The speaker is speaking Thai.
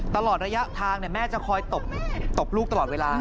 ตลอดระยะทางแม่จะคอยตบลูกตลอดเวลา